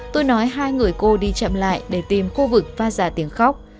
tôi nói hai người cô đi chậm lại để tìm khu vực phát ra tiếng khóc